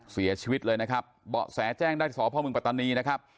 เสียชีวิตเลยนะครับเบาะแสแจ้งได้สพมปัตตานีนะครับ